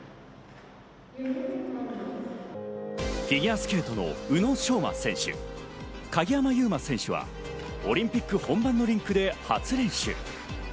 フィギュアスケートの宇野昌磨選手、鍵山優真選手はオリンピック本番のリンクで初練習。